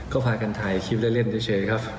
ก็พากันถ่ายคลิปเล่นเฉยครับ